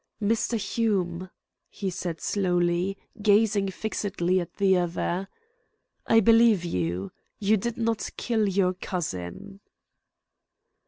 "Mr. Hume," he said slowly, gazing fixedly at the other, "I believe you. You did not kill your cousin."